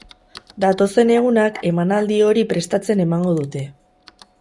Datozen egunak emanaldi hori prestatzen emango dute.